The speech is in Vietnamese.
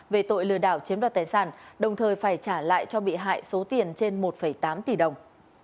về tội lừa đảo chiếm đoạt tài sản đồng thời phải trả lại cho bị hại số tiền trên một tám tỷ đồng